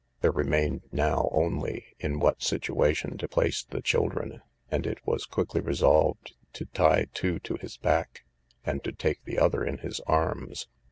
There remained now only in what situation to place the children, and it was quickly resolved to tie two to his back, and to take the other in his arms.